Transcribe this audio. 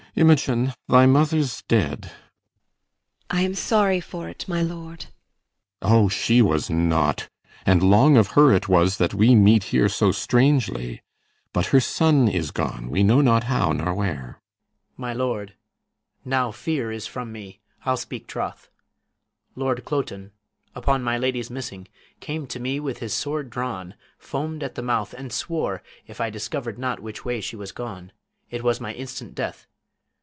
Imogen, Thy mother's dead. IMOGEN. I am sorry for't, my lord. CYMBELINE. O, she was naught, and long of her it was That we meet here so strangely; but her son Is gone, we know not how nor where. PISANIO. My lord, Now fear is from me, I'll speak troth. Lord Cloten, Upon my lady's missing, came to me With his sword drawn, foam'd at the mouth, and swore, If I discover'd not which way she was gone, It was my instant death.